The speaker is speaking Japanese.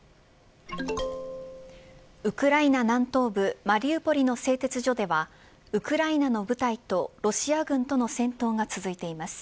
ウクライナ南東部マリウポリの製鉄所ではウクライナの部隊とロシア軍との戦闘が続いています。